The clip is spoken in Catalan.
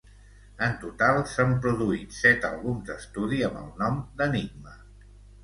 En total, s'han produït set àlbums d'estudi amb el nom d'Enigma.